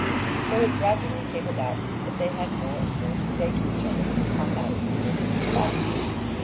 So it gradually came about that they had more and more to say to each other on matters relating to the farm.